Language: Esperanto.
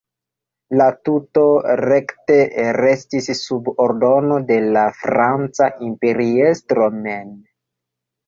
La tuto rekte restis sub ordono de la franca imperiestro mem.